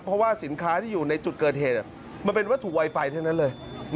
เพราะว่าสินค้าที่อยู่ในจุดเกิดเหตุมันเป็นวัตถุไวไฟทั้งนั้นเลย